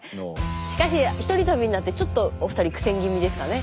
しかし一人旅になってちょっとお二人苦戦気味ですかね。